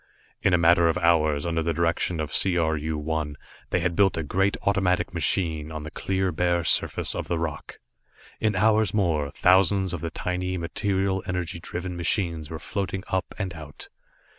In a matter of hours, under the direction of C R U 1, they had built a great automatic machine on the clear bare surface of the rock. In hours more, thousands of the tiny, material energy driven machines were floating up and out.